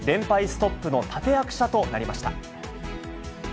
ストップの立て役者となりました。